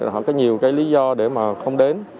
họ có nhiều cái lý do để mà không đến